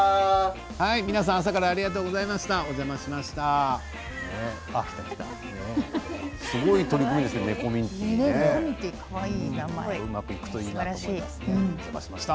皆さん、朝からありがとうございました。